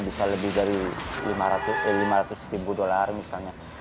bisa lebih dari lima ratus ribu dolar misalnya